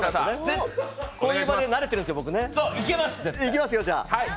こういう場に慣れてるんですよ。